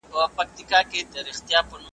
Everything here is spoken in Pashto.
چا نارې وهلې چا ورته ژړله ,